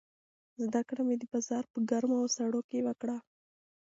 زده کړه مې د بازار په ګرمو او سړو کې وکړه.